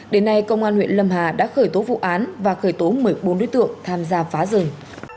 đến nay công an huyện lâm hà đã khởi tố vụ án và khởi tố một mươi bốn đối tượng tham gia phá rừng